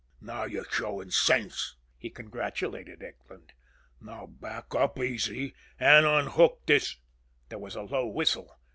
"Now you're showing sense," he congratulated Eckland. "Now back up easy and unhook this " There was a low whistle.